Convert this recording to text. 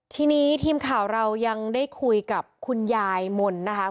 ทีนี้ทีมข่าวเรายังได้คุยกับคุณยายมนต์นะคะ